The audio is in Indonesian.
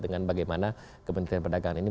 dengan bagaimana kementerian perdagangan ini